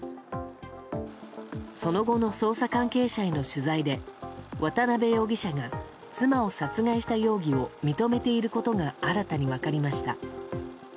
その後の捜査関係者への取材で渡辺容疑者が妻を殺害した容疑を認めていることが新たに分かりました。